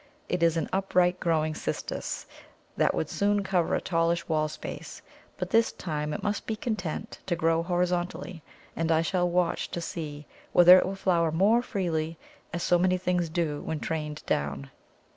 It is an upright growing Cistus that would soon cover a tallish wall space, but this time it must be content to grow horizontally, and I shall watch to see whether it will flower more freely, as so many things do when trained down.